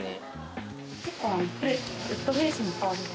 結構ウッドベースの香りが。